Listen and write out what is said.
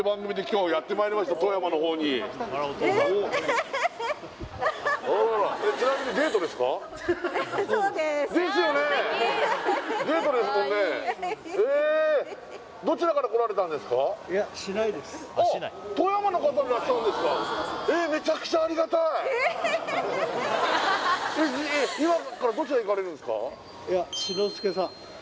はいいや志の輔さん